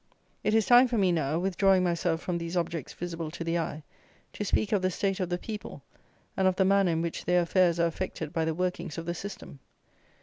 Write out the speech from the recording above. It is time for me now, withdrawing myself from these objects visible to the eye, to speak of the state of the people, and of the manner in which their affairs are affected by the workings of the system.